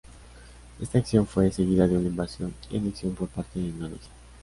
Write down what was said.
Esta acción fue seguida de una invasión y anexión por parte de Indonesia.